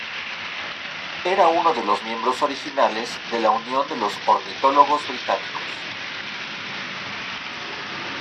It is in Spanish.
Era uno de los miembros originales de la Unión de los Ornitólogos Británicos.